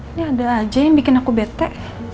ini ada aja yang bikin aku betek